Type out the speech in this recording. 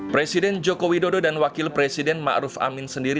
presiden joko widodo dan wakil presiden ma'ruf amin sendiri